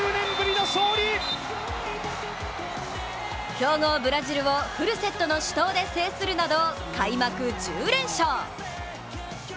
強豪ブラジルをフルセットの死闘で制するなど開幕１０連勝。